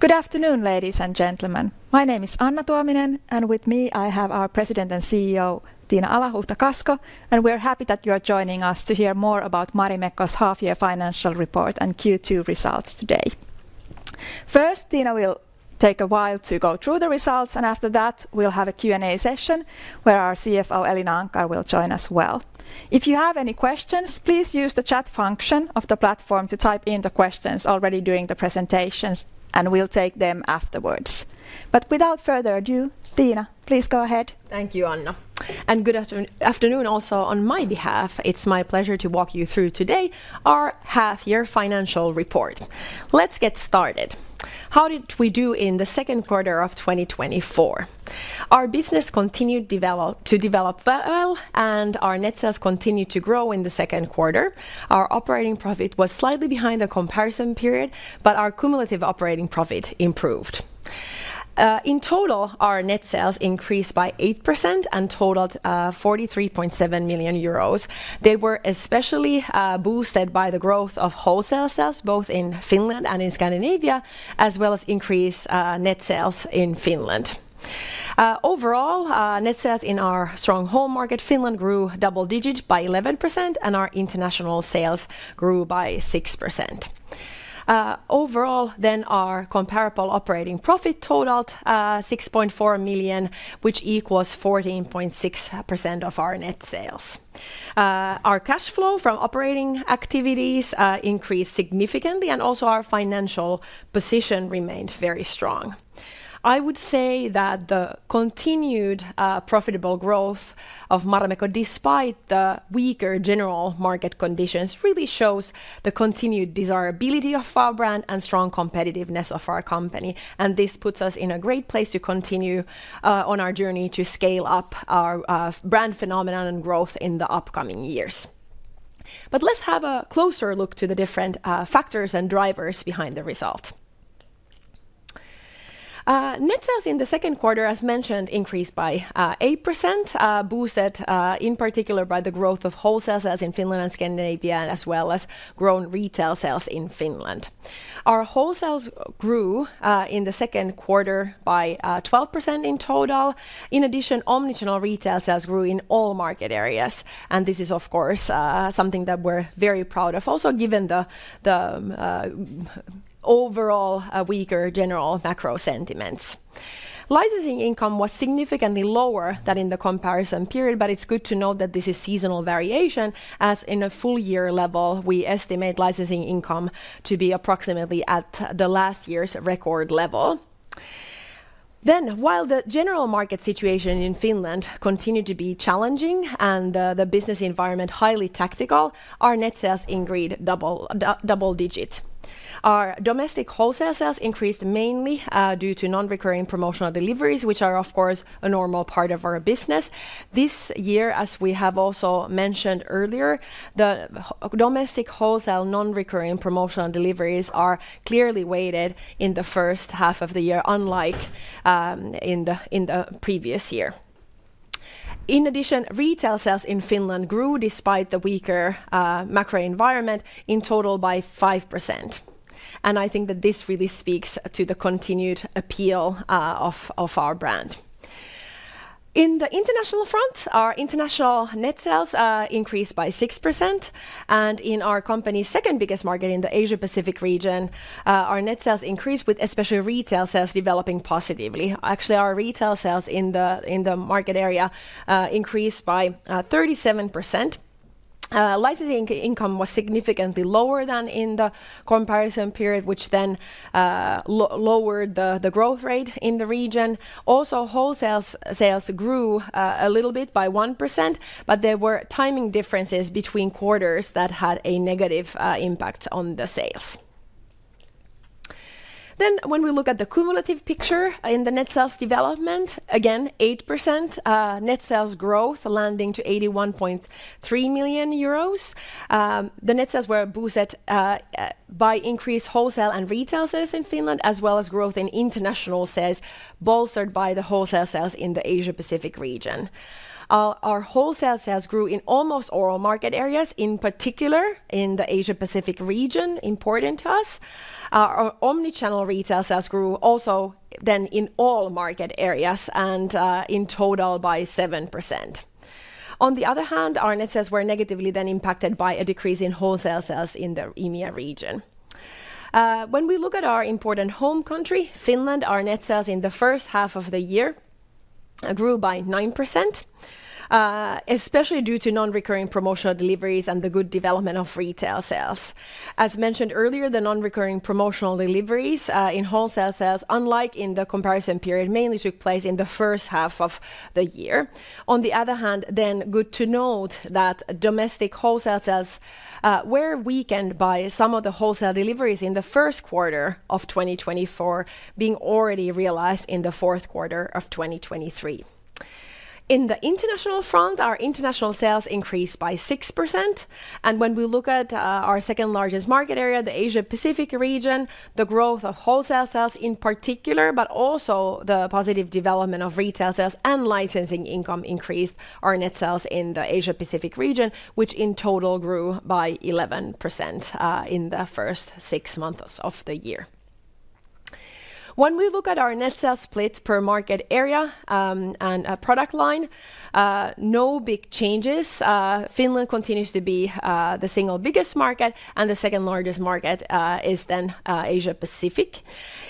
Good afternoon, ladies and gentlemen. My name is Anna Tuominen, and with me, I have our President and CEO, Tiina Alahuhta-Kasko, and we're happy that you are joining us to hear more about Marimekko's half-year financial report and Q2 results today. First, Tiina will take a while to go through the results, and after that, we'll have a Q&A session, where our CFO, Elina Anckar, will join us well. If you have any questions, please use the chat function of the platform to type in the questions already during the presentations, and we'll take them afterwards. But without further ado, Tiina, please go ahead. Thank you, Anna, and good afternoon also on my behalf. It's my pleasure to walk you through today our half-year financial report. Let's get started. How did we do in the second quarter of 2024? Our business continued to develop well, and our net sales continued to grow in the second quarter. Our operating profit was slightly behind the comparison period, but our cumulative operating profit improved. In total, our net sales increased by 8% and totaled 43.7 million euros. They were especially boosted by the growth of wholesale sales, both in Finland and in Scandinavia, as well as increase net sales in Finland. Overall, net sales in our strong home market, Finland, grew double digits by 11%, and our international sales grew by 6%. Overall, then our comparable operating profit totaled 6.4 million, which equals 14.6% of our net sales. Our cash flow from operating activities increased significantly, and also our financial position remained very strong. I would say that the continued profitable growth of Marimekko, despite the weaker general market conditions, really shows the continued desirability of our brand and strong competitiveness of our company, and this puts us in a great place to continue on our journey to scale up our brand phenomenon and growth in the upcoming years. But let's have a closer look to the different factors and drivers behind the result. Net sales in the second quarter, as mentioned, increased by 8%, boosted in particular by the growth of wholesale sales in Finland and Scandinavia, as well as grown retail sales in Finland. Our wholesales grew in the second quarter by 12% in total. In addition, omnichannel retail sales grew in all market areas, and this is, of course, something that we're very proud of, also given the overall weaker general macro sentiments. Licensing income was significantly lower than in the comparison period, but it's good to note that this is seasonal variation, as in a full year level, we estimate licensing income to be approximately at the last year's record level. Then, while the general market situation in Finland continued to be challenging and the business environment highly tactical, our net sales increased double digits. Our domestic wholesale sales increased mainly due to non-recurring promotional deliveries, which are, of course, a normal part of our business. This year, as we have also mentioned earlier, the domestic wholesale non-recurring promotional deliveries are clearly weighted in the first half of the year, unlike in the previous year. In addition, retail sales in Finland grew despite the weaker macro environment in total by 5%, and I think that this really speaks to the continued appeal of our brand. In the international front, our international net sales increased by 6%, and in our company's second biggest market, in the Asia-Pacific region, our net sales increased with especially retail sales developing positively. Actually, our retail sales in the market area increased by 37%. Licensing income was significantly lower than in the comparison period, which then lowered the growth rate in the region. Also, wholesale sales grew a little bit by 1%, but there were timing differences between quarters that had a negative impact on the sales. Then, when we look at the cumulative picture in the net sales development, again, 8% net sales growth, landing to 81.3 million euros. The net sales were boosted by increased wholesale and retail sales in Finland, as well as growth in international sales, bolstered by the wholesale sales in the Asia-Pacific region. Our wholesale sales grew in almost all market areas, in particular in the Asia-Pacific region, important to us. Our omnichannel retail sales grew also then in all market areas and in total by 7%. On the other hand, our net sales were negatively then impacted by a decrease in wholesale sales in the EMEA region. When we look at our important home country, Finland, our net sales in the first half of the year grew by 9%, especially due to non-recurring promotional deliveries and the good development of retail sales. As mentioned earlier, the non-recurring promotional deliveries, in wholesale sales, unlike in the comparison period, mainly took place in the first half of the year. On the other hand, then good to note that domestic wholesale sales, were weakened by some of the wholesale deliveries in the first quarter of 2024 being already realized in the fourth quarter of 2023. In the international front, our international sales increased by 6%, and when we look at our second-largest market area, the Asia-Pacific region, the growth of wholesale sales in particular, but also the positive development of retail sales and licensing income increased our net sales in the Asia-Pacific region, which in total grew by 11% in the first 6 months of the year. When we look at our net sales split per market area and product line, no big changes. Finland continues to be the single biggest market, and the second largest market is then Asia-Pacific.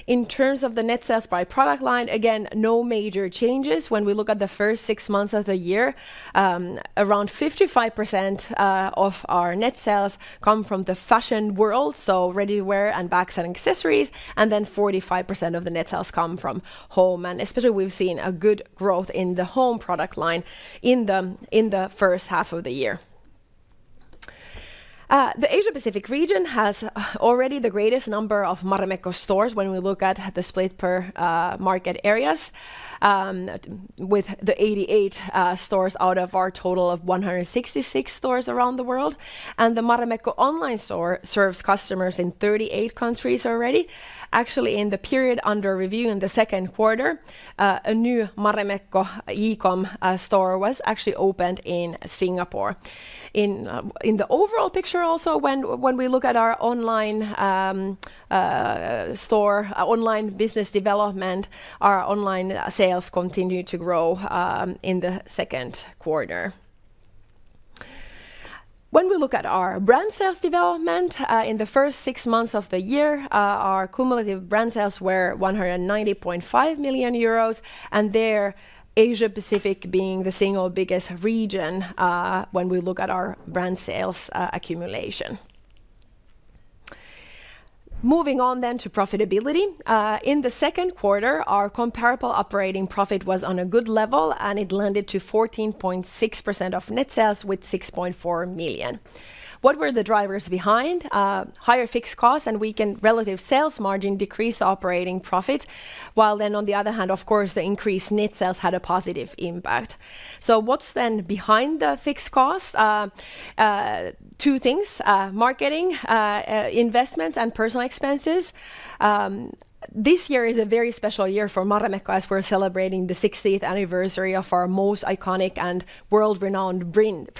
In terms of the net sales by product line, again, no major changes. When we look at the first six months of the year, around 55% of our net sales come from the fashion world, so ready-to-wear and bags and accessories, and then 45% of the net sales come from home. Especially, we've seen a good growth in the home product line in the first half of the year. The Asia-Pacific region has already the greatest number of Marimekko stores when we look at the split per market areas, with 88 stores out of our total of 166 stores around the world. And the Marimekko online store serves customers in 38 countries already. Actually, in the period under review, in the second quarter, a new Marimekko e-com store was actually opened in Singapore. In the overall picture also, when we look at our online store, online business development, our online sales continued to grow in the second quarter. When we look at our brand sales development in the first six months of the year, our cumulative brand sales were 190.5 million euros, and there, Asia-Pacific being the single biggest region, when we look at our brand sales accumulation. Moving on then to profitability. In the second quarter, our comparable operating profit was on a good level, and it landed to 14.6% of net sales with 6.4 million. What were the drivers behind? Higher fixed costs and weakened relative sales margin decreased operating profit, while then, on the other hand, of course, the increased net sales had a positive impact. So what's then behind the fixed cost? Two things: marketing investments and personal expenses. This year is a very special year for Marimekko as we're celebrating the sixtieth anniversary of our most iconic and world-renowned print,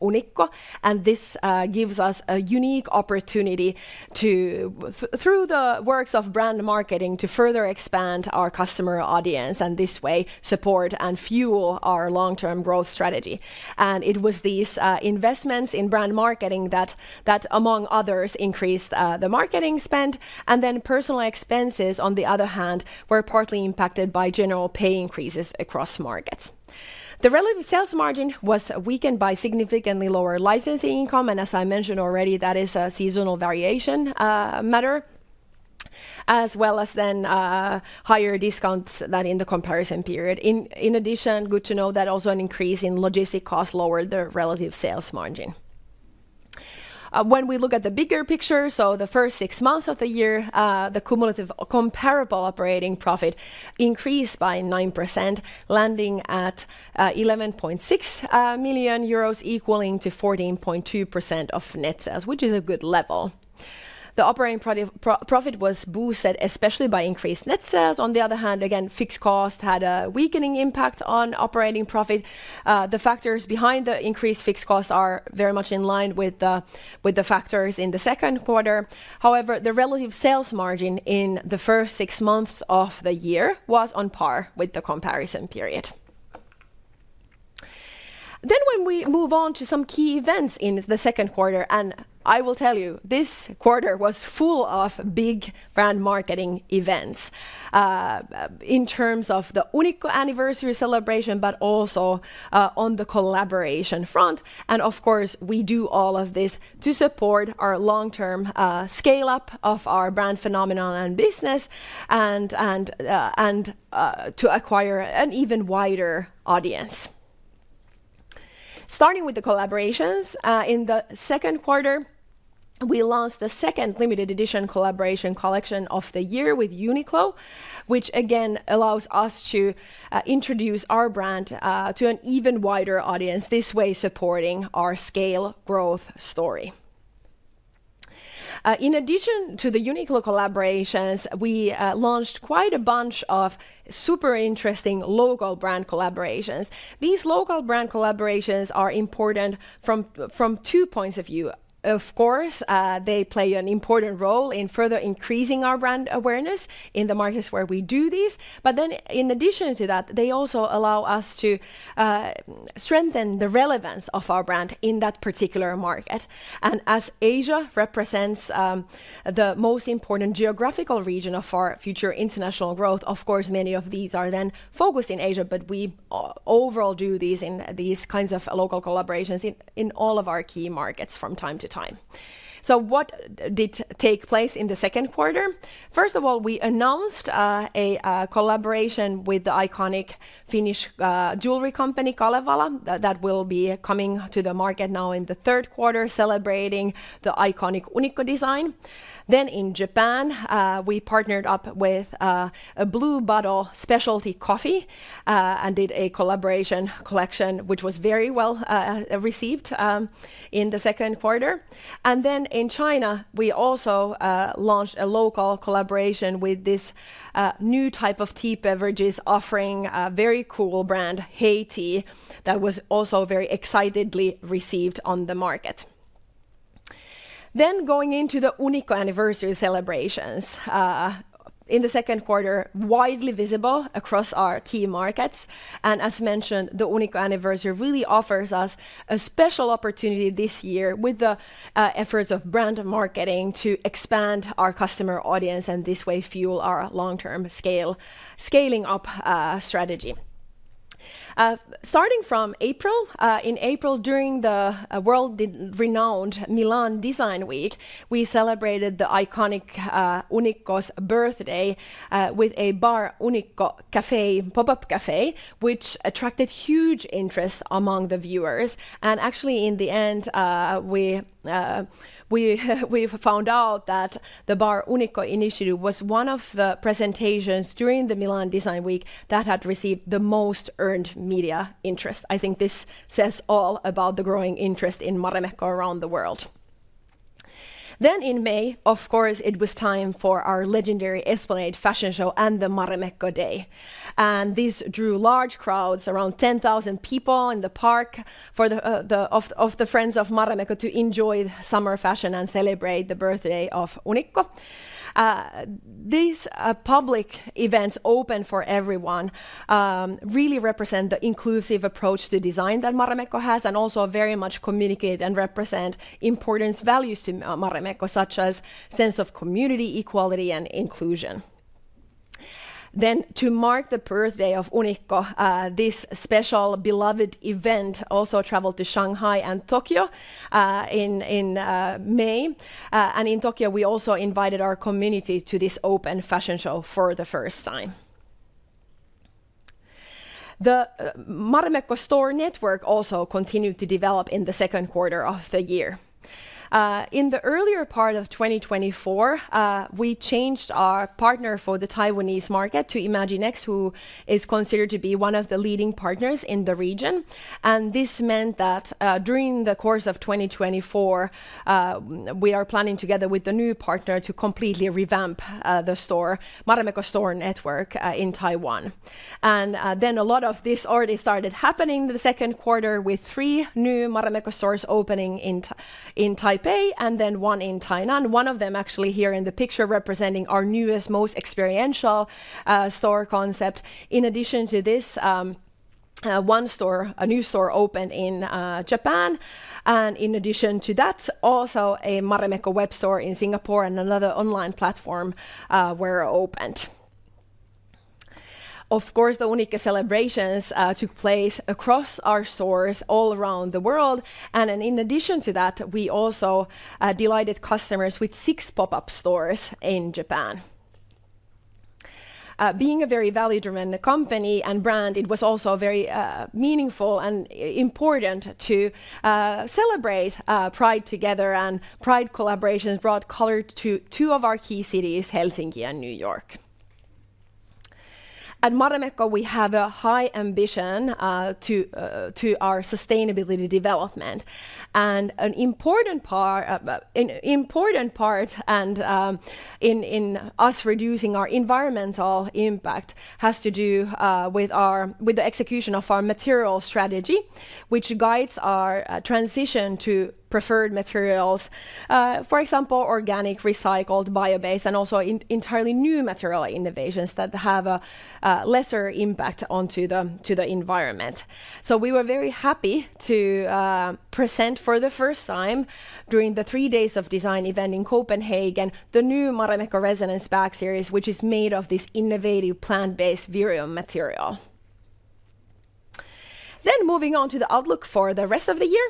Unikko, and this gives us a unique opportunity to through the works of brand marketing, to further expand our customer audience, and this way, support and fuel our long-term growth strategy. It was these investments in brand marketing that, among others, increased the marketing spend, and then personal expenses on the other hand, were partly impacted by general pay increases across markets. The relative sales margin was weakened by significantly lower licensing income, and as I mentioned already, that is a seasonal variation matter, as well as then higher discounts than in the comparison period. In addition, good to know that also an increase in logistics costs lowered the relative sales margin. When we look at the bigger picture, so the first six months of the year, the cumulative comparable operating profit increased by 9%, landing at 11.6 million euros, equaling to 14.2% of net sales, which is a good level. The operating profit was boosted, especially by increased net sales. On the other hand, again, fixed cost had a weakening impact on operating profit. The factors behind the increased fixed costs are very much in line with the factors in the second quarter. However, the relative sales margin in the first six months of the year was on par with the comparison period. Then, when we move on to some key events in the second quarter, and I will tell you, this quarter was full of big brand marketing events in terms of the Unikko anniversary celebration, but also on the collaboration front. And of course, we do all of this to support our long-term scale-up of our brand phenomenon and business and to acquire an even wider audience. Starting with the collaborations in the second quarter, we launched the second limited edition collaboration collection of the year with Uniqlo, which again allows us to introduce our brand to an even wider audience, this way supporting our scale growth story. In addition to the Uniqlo collaborations, we launched quite a bunch of super interesting local brand collaborations. These local brand collaborations are important from two points of view. Of course, they play an important role in further increasing our brand awareness in the markets where we do these, but then in addition to that, they also allow us to strengthen the relevance of our brand in that particular market. And as Asia represents the most important geographical region of our future international growth, of course, many of these are then focused in Asia, but we overall do these in these kinds of local collaborations in all of our key markets from time to time. So what did take place in the second quarter? First of all, we announced a collaboration with the iconic Finnish jewelry company, Kalevala, that will be coming to the market now in the third quarter, celebrating the iconic Unikko design. Then in Japan, we partnered up with a Blue Bottle Coffee and did a collaboration collection, which was very well received in the second quarter. And then in China, we also launched a local collaboration with this new type of tea beverages, offering a very cool brand, HEYTEA, that was also very excitedly received on the market. Then going into the Unikko anniversary celebrations in the second quarter, widely visible across our key markets. And as mentioned, the Unikko anniversary really offers us a special opportunity this year with the efforts of brand and marketing to expand our customer audience, and this way, fuel our long-term scale, scaling up strategy. Starting from April, in April, during the world-renowned Milan Design Week, we celebrated the iconic Unikko's birthday with a Bar Unikko Cafe, pop-up cafe, which attracted huge interest among the viewers. And actually, in the end, we found out that the Bar Unikko initiative was one of the presentations during the Milan Design Week that had received the most earned media interest. I think this says all about the growing interest in Marimekko around the world. Then in May, of course, it was time for our legendary Esplanade Fashion Show and the Marimekko Day. And these drew large crowds, around 10,000 people in the park for the friends of Marimekko to enjoy summer fashion and celebrate the birthday of Unikko. These public events, open for everyone, really represent the inclusive approach to design that Marimekko has, and also very much communicate and represent important values to Marimekko, such as sense of community, equality, and inclusion. Then, to mark the birthday of Unikko, this special beloved event also traveled to Shanghai and Tokyo, in May. And in Tokyo, we also invited our community to this open fashion show for the first time. The Marimekko store network also continued to develop in the second quarter of the year. In the earlier part of 2024, we changed our partner for the Taiwanese market to ImagineX, who is considered to be one of the leading partners in the region. This meant that, during the course of 2024, we are planning together with the new partner to completely revamp the Marimekko store network in Taiwan. Then a lot of this already started happening in the second quarter with three new Marimekko stores opening in Taipei, and then one in Tainan. One of them actually here in the picture, representing our newest, most experiential store concept. In addition to this, one store, a new store opened in Japan, and in addition to that, also a Marimekko web store in Singapore and another online platform were opened. Of course, the Unikko celebrations took place across our stores all around the world. Then in addition to that, we also delighted customers with six pop-up stores in Japan. Being a very value-driven company and brand, it was also very meaningful and important to celebrate Pride together, and Pride collaborations brought color to two of our key cities, Helsinki and New York. At Marimekko, we have a high ambition to our sustainability development. An important part in us reducing our environmental impact has to do with the execution of our material strategy, which guides our transition to preferred materials. For example, organic, recycled, bio-based, and also entirely new material innovations that have a lesser impact onto the environment. So we were very happy to present for the first time, during the Three Days of Design event in Copenhagen, the new Marimekko Resonance Bag series, which is made of this innovative, plant-based Vireo material. Then moving on to the outlook for the rest of the year.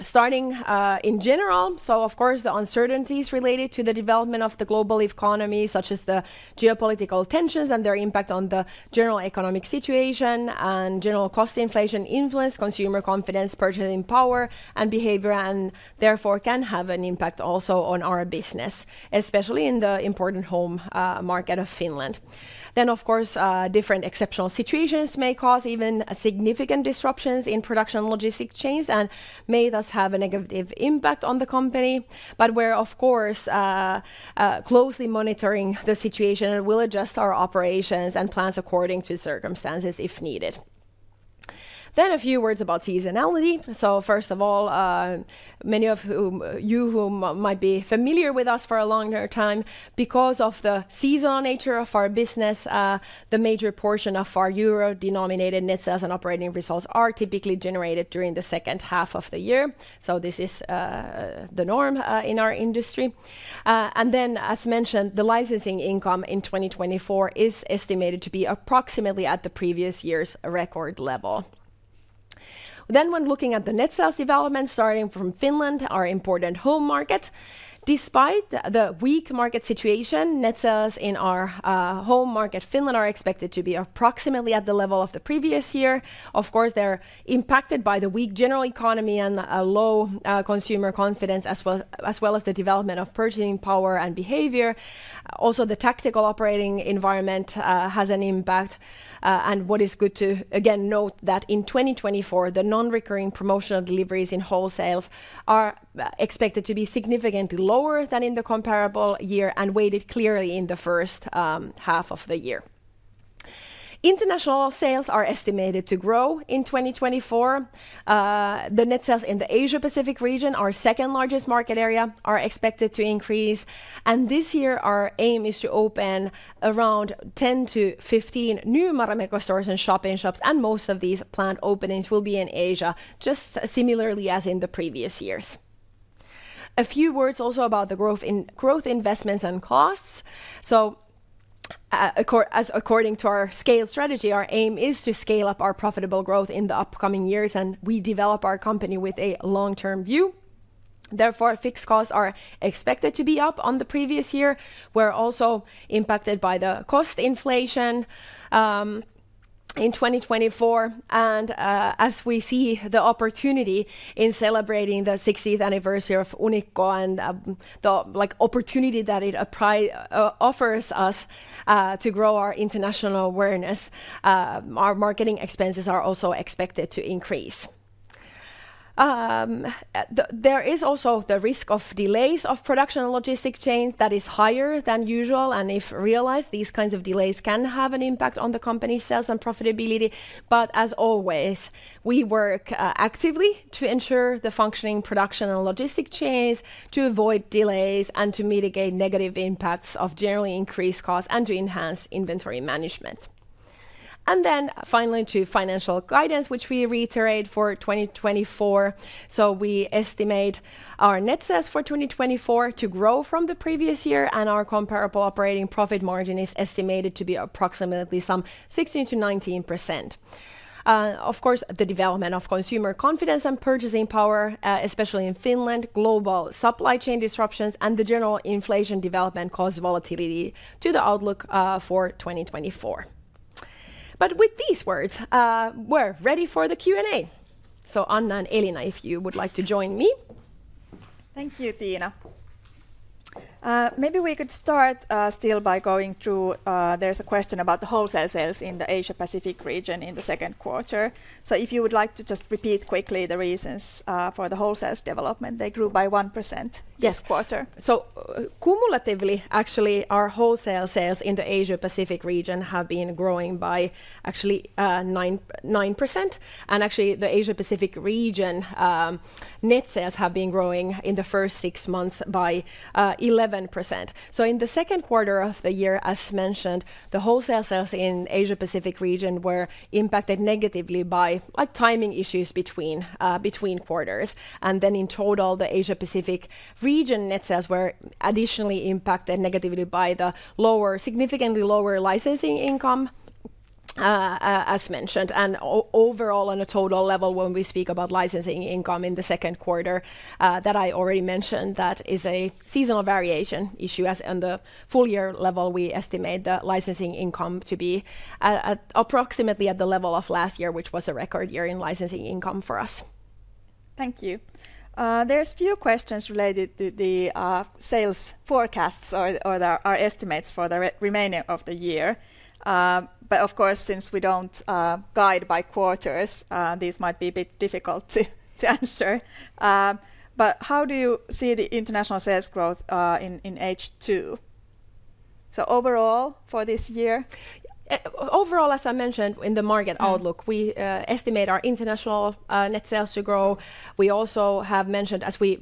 Starting in general, so of course, the uncertainties related to the development of the global economy, such as the geopolitical tensions and their impact on the general economic situation and general cost inflation, influence consumer confidence, purchasing power and behavior, and therefore can have an impact also on our business, especially in the important home market of Finland. Then, of course, different exceptional situations may cause even significant disruptions in production and logistics chains and may thus have a negative impact on the company. But we're, of course, closely monitoring the situation and we'll adjust our operations and plans according to circumstances if needed. Then a few words about seasonality. So first of all, many of whom, you whom might be familiar with us for a longer time, because of the seasonal nature of our business, the major portion of our euro-denominated net sales and operating results are typically generated during the second half of the year. So this is, the norm, in our industry. And then, as mentioned, the licensing income in 2024 is estimated to be approximately at the previous year's record level. Then when looking at the net sales development, starting from Finland, our important home market, despite the weak market situation, net sales in our home market, Finland, are expected to be approximately at the level of the previous year. Of course, they're impacted by the weak general economy and a low consumer confidence, as well, as well as the development of purchasing power and behavior. Also, the tactical operating environment has an impact. And what is good to, again, note that in 2024, the non-recurring promotional deliveries in wholesales are expected to be significantly lower than in the comparable year and weighted clearly in the first half of the year. International sales are estimated to grow in 2024. The net sales in the Asia-Pacific region, our second largest market area, are expected to increase. And this year, our aim is to open around 10-15 new Marimekko stores and shop-in-shops, and most of these planned openings will be in Asia, just similarly as in the previous years. A few words also about the growth in growth investments and costs. So, as according to our scale strategy, our aim is to scale up our profitable growth in the upcoming years, and we develop our company with a long-term view. Therefore, fixed costs are expected to be up on the previous year. We're also impacted by the cost inflation, in 2024, and, as we see the opportunity in celebrating the 60th anniversary of Unikko and, the, like, opportunity that it offers us, to grow our international awareness, our marketing expenses are also expected to increase. There is also the risk of delays of production and logistic chain that is higher than usual, and if realized, these kinds of delays can have an impact on the company's sales and profitability. But as always, we work actively to ensure the functioning production and logistics chains, to avoid delays, and to mitigate negative impacts of generally increased costs, and to enhance inventory management. And then finally, to financial guidance, which we reiterate for 2024. So we estimate our net sales for 2024 to grow from the previous year, and our comparable operating profit margin is estimated to be approximately some 16%-19%. Of course, the development of consumer confidence and purchasing power, especially in Finland, global supply chain disruptions, and the general inflation development, cause volatility to the outlook for 2024. But with these words, we're ready for the Q&A. So Anna and Elina, if you would like to join me. Thank you, Tiina. Maybe we could start, still by going through... There's a question about the wholesale sales in the Asia-Pacific region in the second quarter. So if you would like to just repeat quickly the reasons for the wholesale development. They grew by 1%. Yes ... this quarter. So cumulatively, actually, our wholesale sales in the Asia-Pacific region have been growing by, actually, 9.9%. And actually, the Asia-Pacific region net sales have been growing in the first six months by 11%. So in the second quarter of the year, as mentioned, the wholesale sales in Asia-Pacific region were impacted negatively by, like, timing issues between quarters. And then in total, the Asia-Pacific region net sales were additionally impacted negatively by the lower, significantly lower licensing income, as mentioned. And overall, on a total level, when we speak about licensing income in the second quarter, that I already mentioned, that is a seasonal variation issue, as on the full year level, we estimate the licensing income to be at approximately at the level of last year, which was a record year in licensing income for us. Thank you. There's few questions related to the sales forecasts or there are estimates for the remaining of the year. But of course, since we don't guide by quarters, these might be a bit difficult to answer. But how do you see the international sales growth in H2? So overall, for this year. Overall, as I mentioned in the market outlook- Mm-hmm... we estimate our international net sales to grow. We also have mentioned, as we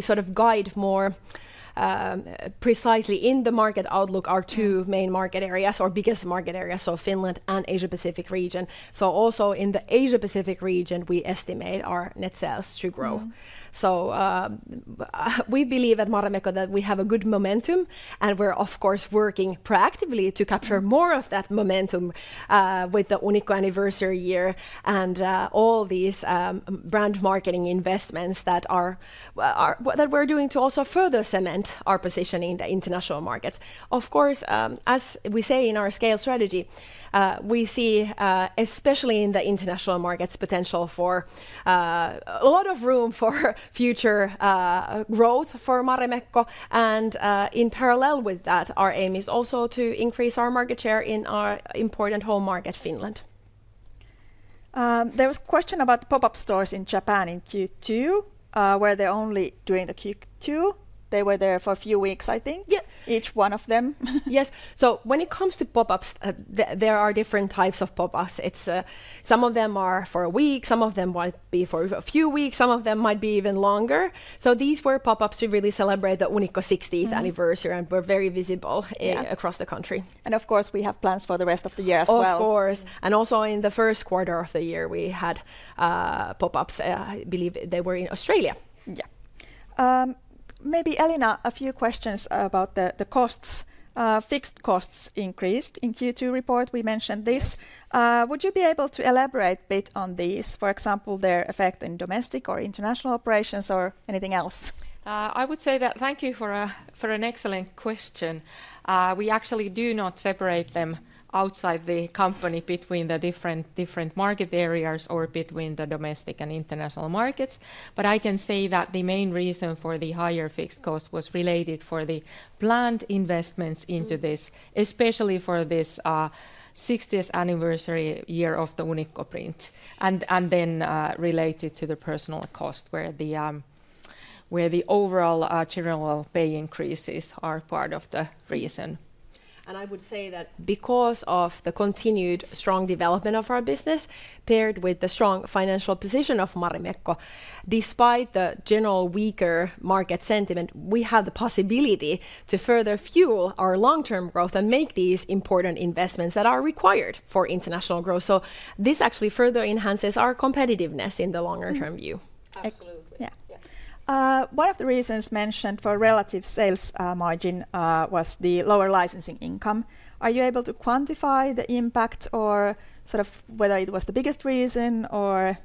sort of guide more precisely in the market outlook, our two main market areas, or biggest market areas, so Finland and Asia-Pacific region. So also in the Asia-Pacific region, we estimate our net sales to grow. Mm-hmm. So, we believe at Marimekko that we have a good momentum, and we're, of course, working proactively to capture more- Mm-hmm... of that momentum with the Unikko anniversary year and all these brand marketing investments that are, well, what we're doing to also further cement our position in the international markets. Of course, as we say in our scale strategy, we see especially in the international markets potential for a lot of room for future growth for Marimekko. In parallel with that, our aim is also to increase our market share in our important home market, Finland. There was a question about the pop-up stores in Japan in Q2, where they're only doing the Q2. They were there for a few weeks, I think- Yep ... each one of them. Yes. So when it comes to pop-ups, there are different types of pop-ups. It's some of them are for a week, some of them might be for a few weeks, some of them might be even longer. So these were pop-ups to really celebrate the Unikko 60th anniversary. Mm-hmm... and were very visible- Yeah... across the country. Of course, we have plans for the rest of the year as well. Of course. And also in the first quarter of the year, we had pop-ups. I believe they were in Australia. Yeah. Maybe Elina, a few questions about the, the costs. Fixed costs increased. In Q2 report, we mentioned this. Would you be able to elaborate a bit on these, for example, their effect in domestic or international operations, or anything else? I would say, thank you for an excellent question. We actually do not separate them outside the company between the different market areas or between the domestic and international markets. But I can say that the main reason for the higher fixed cost was related to the planned investments into this- Mm-hmm... especially for this 60th anniversary year of the Unikko print, and then related to the personnel cost, where the overall general pay increases are part of the reason. ... And I would say that because of the continued strong development of our business, paired with the strong financial position of Marimekko, despite the general weaker market sentiment, we have the possibility to further fuel our long-term growth and make these important investments that are required for international growth. So this actually further enhances our competitiveness in the longer-term view. Mm-hmm. Absolutely. Yeah. Yeah. One of the reasons mentioned for relative sales margin was the lower licensing income. Are you able to quantify the impact or sort of whether it was the biggest reason, or?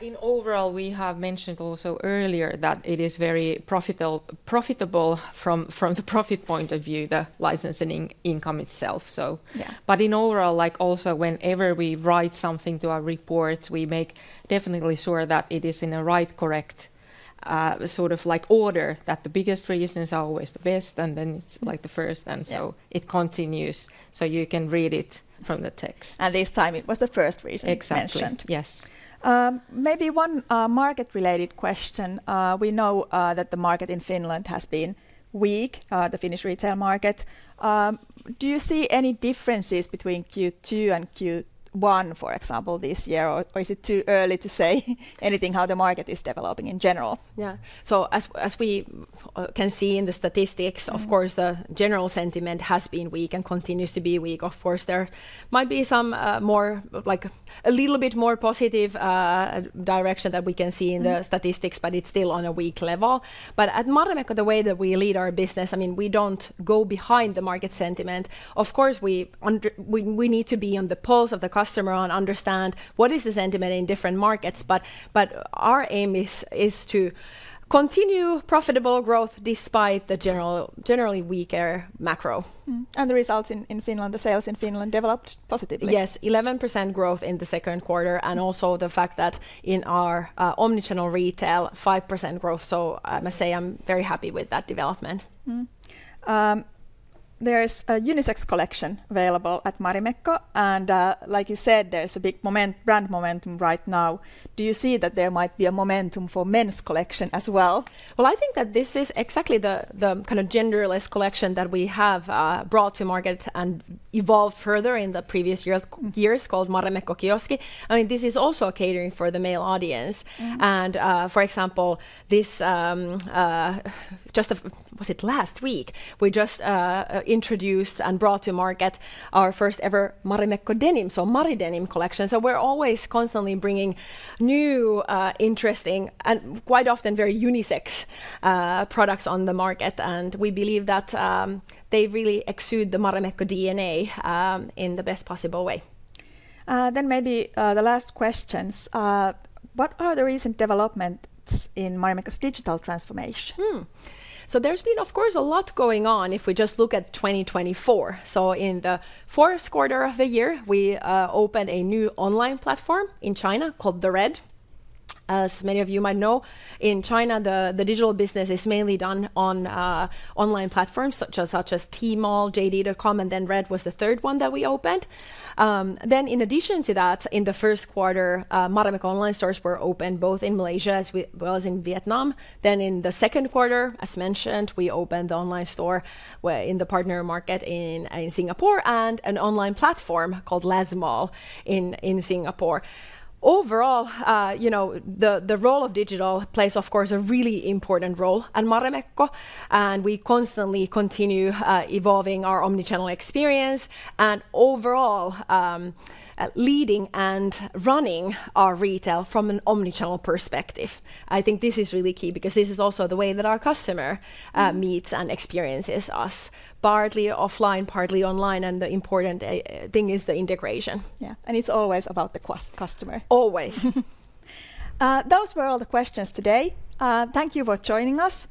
In overall, we have mentioned also earlier that it is very profitable from the profit point of view, the licensing income itself, so. Yeah. But in overall, like also whenever we write something to our reports, we make definitely sure that it is in a right, correct, sort of like order, that the biggest reasons are always the best, and then it's, like, the first- Yeah... and so it continues. You can read it from the text. This time it was the first reason- Exactly... mentioned. Yes. Maybe one market-related question. We know that the market in Finland has been weak, the Finnish retail market. Do you see any differences between Q2 and Q1, for example, this year, or is it too early to say anything how the market is developing in general? Yeah. So as we can see in the statistics- Mm... of course, the general sentiment has been weak and continues to be weak. Of course, there might be some, more, like a little bit more positive, direction that we can see in the- Mm ...statistics, but it's still on a weak level. But at Marimekko, the way that we lead our business, I mean, we don't go behind the market sentiment. Of course, we need to be on the pulse of the customer and understand what is the sentiment in different markets. But our aim is to continue profitable growth despite the generally weaker macro. The results in Finland, the sales in Finland developed positively? Yes, 11% growth in the second quarter and also the fact that in our omnichannel retail, 5% growth, so I must say I'm very happy with that development. Mm-hmm. There is a unisex collection available at Marimekko, and, like you said, there's a big brand momentum right now. Do you see that there might be a momentum for men's collection as well? Well, I think that this is exactly the kind of genderless collection that we have brought to market and evolved further in the previous year, years, called Marimekko Kioski. I mean, this is also catering for the male audience. Mm-hmm. For example, was it last week? We just introduced and brought to market our first ever Marimekko denim, so Maridenim collection. We're always constantly bringing new, interesting, and quite often very unisex, products on the market. We believe that they really exude the Marimekko DNA in the best possible way. Then maybe the last questions. What are the recent developments in Marimekko's digital transformation? So there's been, of course, a lot going on if we just look at 2024. So in the fourth quarter of the year, we opened a new online platform in China called The Red. As many of you might know, in China, the digital business is mainly done on online platforms such as Tmall, JD.com, and then Red was the third one that we opened. Then in addition to that, in the first quarter, Marimekko online stores were opened both in Malaysia as well as in Vietnam. Then in the second quarter, as mentioned, we opened the online store where, in the partner market in Singapore, and an online platform called LazMall in Singapore. Overall, you know, the role of digital plays, of course, a really important role at Marimekko, and we constantly continue evolving our omni-channel experience, and overall, leading and running our retail from an omni-channel perspective. I think this is really key, because this is also the way that our customer- Mm... meets and experiences us. Partly offline, partly online, and the important thing is the integration. Yeah, and it's always about the customer. Always. Those were all the questions today. Thank you for joining us,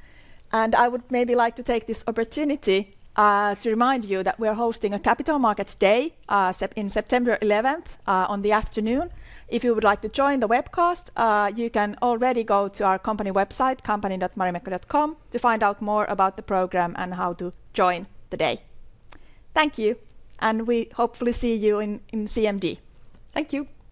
and I would maybe like to take this opportunity to remind you that we're hosting a Capital Markets Day, Sep- in September 11th, on the afternoon. If you would like to join the webcast, you can already go to our company website, company.marimekko.com, to find out more about the program and how to join the day. Thank you, and we hopefully see you in, in CMD. Thank you!